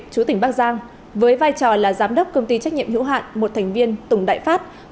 chú tỉnh bắc giang với vai trò là giám đốc công ty trách nhiệm hữu hạn một thành viên tùng đại phát